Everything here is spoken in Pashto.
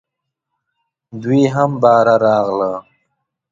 دوی هم باره راغله .